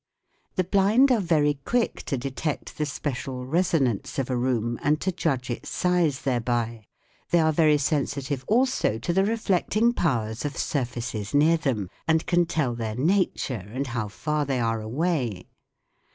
The blind are very quick to detect the special resonance of a room and to judge its size thereby. They are very sensitive also to the reflecting powers of surfaces near them, and can tell their nature and how far they are away.